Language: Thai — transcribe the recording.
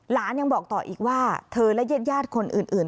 หลานยังบอกต่ออีกว่าเธอและญาติคนอื่น